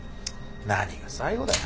何が最後だよ